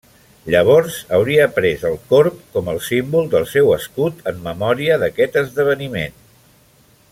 Llavors hauria pres el corb com el símbol del seu escut en memòria d'aquest esdeveniment.